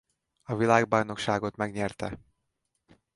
A világbajnokságot megnyerte.